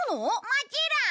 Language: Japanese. もちろん！